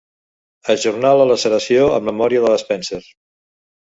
Ajornar la laceració en memòria de la Spencer.